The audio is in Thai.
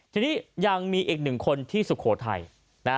ทีนี้ยังมีอีกหนึ่งคนที่สุโขทัย